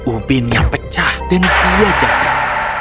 ubinnya pecah dan dia jatuh